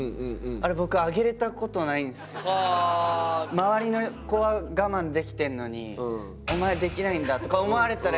周りの子は我慢できてるのにお前できないんだとか思われたらイヤだなって思って。